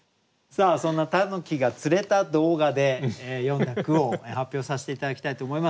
そんな狸が釣れた動画で詠んだ句を発表させて頂きたいと思います。